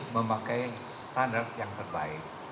memakai standar yang terbaik